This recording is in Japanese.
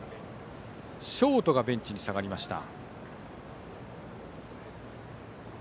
ショートがベンチに下がりました。